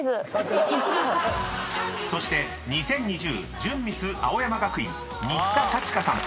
［そして２０２０準ミス青山学院新田さちかさん］